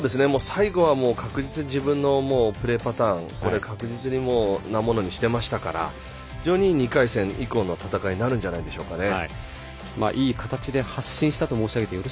最後は確実に自分のプレーパターン確実なものにしていましたから非常にいい、２回戦以降の戦いになるんじゃないでしょうかね。